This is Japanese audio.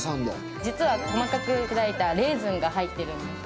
実は細かく砕いたレーズンが入っているんですね。